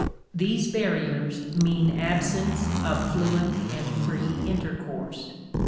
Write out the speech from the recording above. These barriers mean absence of fluent and free intercourse.